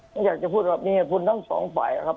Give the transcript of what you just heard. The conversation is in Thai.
ไม่อยากจะพูดแบบมีเหตุผลของทั้งสองฝ่ายนะครับ